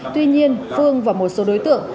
tuy nhiên phương và một số đối tượng